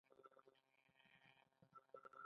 د تخار په درقد کې د سرو زرو نښې شته.